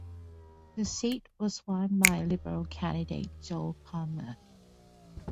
The seat was won by Liberal candidate Jo Palmer.